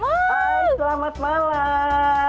hai selamat malam